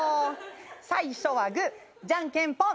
最初はグーじゃんけんぽん。